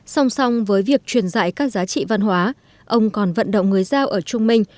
song song với việc truyền dạy các giá trị văn hóa ông còn vận động người giao ở trung minh